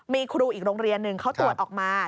มีครูอีกโรงเรียนหนึ่งเขาตรวจออกมา